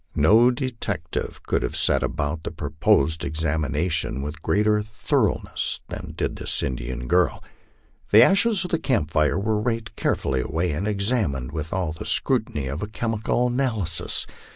No detective could have set about the proposed examination with great er thoroughness than did this Indian girl. The ashes of the camp fires were raked carefully away and examined with all the scrutiny of a chemical analy sis.